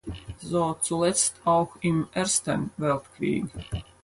So zuletzt auch im Ersten Weltkrieg.